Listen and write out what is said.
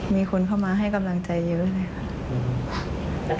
มีคนเข้ามาให้กำลังใจเยอะเลยค่ะ